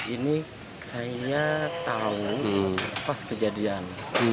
ini saya tahu pas kejadian